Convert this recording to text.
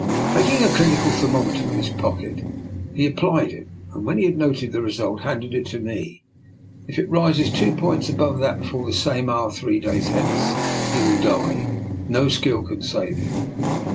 Taking a clinical thermometer from his pocket, he applied it, and, when he had noted the result, handed it to me. " If it rises two points above that before the same hour three days hence, he will die — no skill can save him.